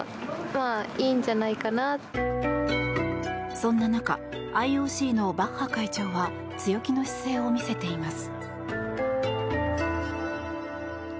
そんな中ＩＯＣのバッハ会長は強気の姿勢を見せています。